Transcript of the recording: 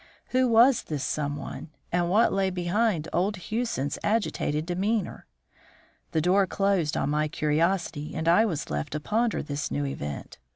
Who was this someone, and what lay behind old Hewson's agitated demeanour? The door closed on my curiosity, and I was left to ponder this new event.